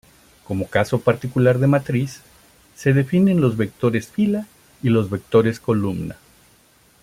Como caso particular de matriz, se definen los vectores fila y los vectores columna.